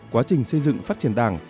quá trình xây dựng phát triển đảng